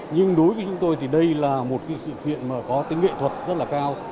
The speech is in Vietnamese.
nhưng đối với chúng tôi thì đây là một sự kiện mà có tính nghệ thuật rất là cao